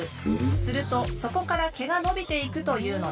するとそこから毛が伸びていくというのだ。